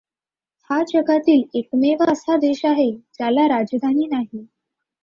हा जगातील एकमेव असा देश आहे ज्याला राजधानी नाही.